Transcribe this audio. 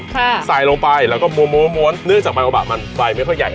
ค่ะใส่ลงไปแล้วก็ม้วนม้วนม้วนเนื้อจากใบโอบะมันใบไม่พอใหญ่